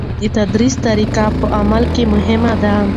د تدریس طریقی په علم کې مهمې دي.